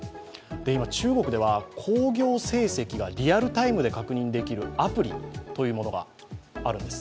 今、中国では興行成績がリアルタイムで確認できるアプリというものがあるんです。